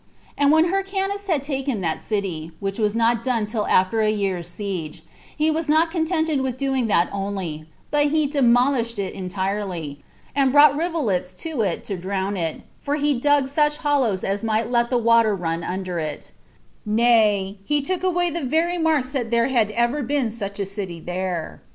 And when Hyrcanus had taken that city, which was not done till after a year's siege, he was not contented with doing that only, but he demolished it entirely, and brought rivulets to it to drown it, for he dug such hollows as might let the water run under it; nay, he took away the very marks that there had ever been such a city there.